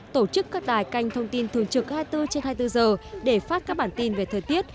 trước các đài canh thông tin thường trực hai mươi bốn trên hai mươi bốn h để phát các bản tin về thời tiết